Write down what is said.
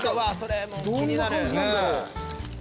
どんな感じなんだろう。